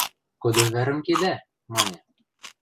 – «Кыды вӓрӹм кедӓ?» – маньы.